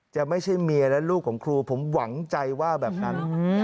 จะไม่ใช่เมียและลูกของครูผมหวังใจว่าแบบนั้น